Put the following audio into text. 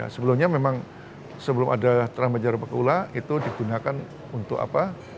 sebelumnya memang sebelum ada transmejar pula itu digunakan untuk apa